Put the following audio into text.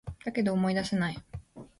だけど、思い出せない